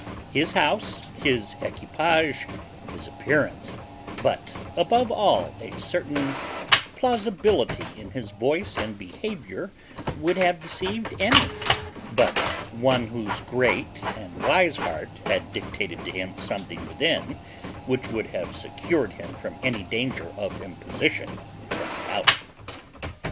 His house, his equipage, his appearance, but, above all, a certain plausibility in his voice and behaviour would have deceived any, but one whose great and wise heart had dictated to him something within, which would have secured him from any danger of imposition from without.